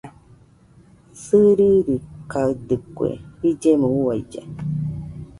Sɨririkaidɨkue illemo uailla.